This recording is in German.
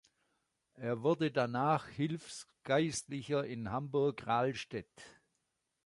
Er wurde danach Hilfsgeistlicher in Hamburg-Rahlstedt.